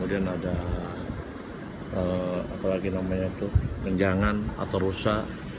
ya apalagi namanya tuh kenjangan atau rusa